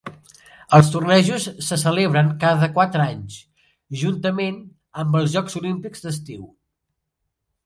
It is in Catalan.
Els tornejos se celebren cada quatre anys, juntament amb els Jocs Olímpics d'estiu.